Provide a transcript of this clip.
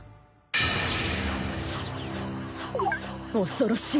恐ろしい。